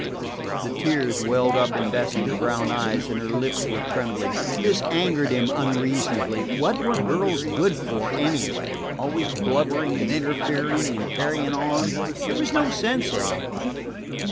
The tears welled up in Bessie's brown eyes, and her lips were trembling. This angered him unreasonably. What were girls good for, anyway? always blubbering, and interfering, and carrying on. There was no sense in them.